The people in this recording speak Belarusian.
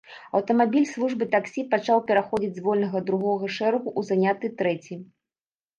Аўтамабіль службы таксі пачаў пераходзіць з вольнага другога шэрагу ў заняты трэці.